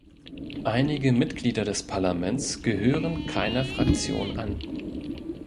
Einige Mitglieder des Parlaments gehören keiner Fraktion an.